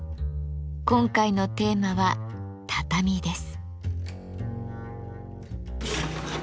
今回のテーマは「畳」です。